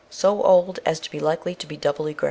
So old as to be likely to be doubly gray.